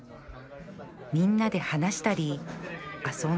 みんなで話したり遊んだり